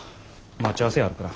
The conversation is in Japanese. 待ち合わせあるから。